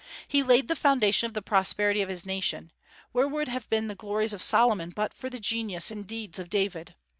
He laid the foundation of the prosperity of his nation. Where would have been the glories of Solomon but for the genius and deeds of David?